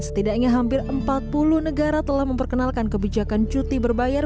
setidaknya hampir empat puluh negara telah memperkenalkan kebijakan cuti berbayar